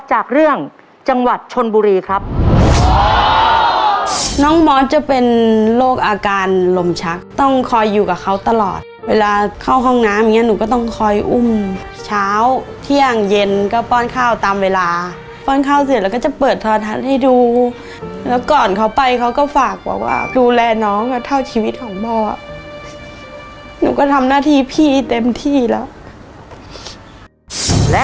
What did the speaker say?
จากเรื่องจังหวัดชนบุรีครับน้องมอสจะเป็นโรคอาการลมชักต้องคอยอยู่กับเขาตลอดเวลาเข้าห้องน้ำอย่างเงี้หนูก็ต้องคอยอุ้มเช้าเที่ยงเย็นก็ป้อนข้าวตามเวลาป้อนข้าวเสร็จแล้วก็จะเปิดโทรทัศน์ให้ดูแล้วก่อนเขาไปเขาก็ฝากบอกว่าดูแลน้องก็เท่าชีวิตของพ่อหนูก็ทำหน้าที่พี่เต็มที่แล้วและ